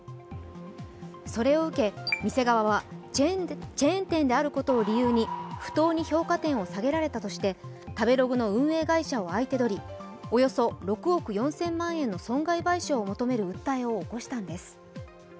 それを受け、店側はチェーン店であることを理由に不当に評価点を下げられたとして食べログの運営会社を相手取りおよそ６億４０００万円の損害賠償を求める訴えを起こしたのです。